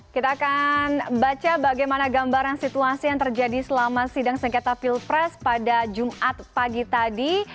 kita akan baca bagaimana gambaran situasi yang terjadi selama sidang sengketa pilpres pada jumat pagi tadi